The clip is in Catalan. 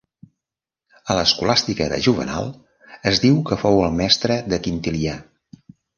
A l'Escolàstica de Juvenal es diu que fou el mestre de Quintilià.